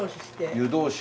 湯通し。